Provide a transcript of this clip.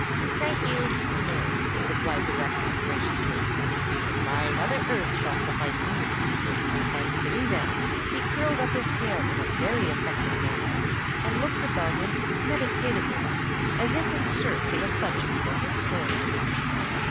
"Thank you, no," replied the raccoon graciously. "My mother earth shall suffice me." And sitting down, he curled up his tail in a very effective manner, and looked about him meditatively, as if in search of a subject for his story.